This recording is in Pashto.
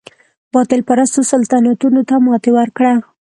باطل پرستو سلطنتونو ته ماتې ورکړه.